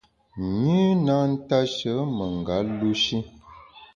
Nyü na ntashe menga lu shi.